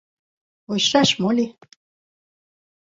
— Вочшаш мо ли?